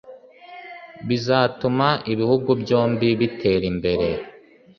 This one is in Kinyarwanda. bizatuma ibihugu byombi bitera imbere